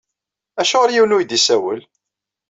Acuɣeṛ yiwen ur yi-d-isawel?